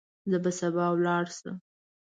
زه به سبا ولاړ شم.